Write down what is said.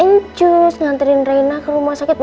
nganterin reina ke rumah sakit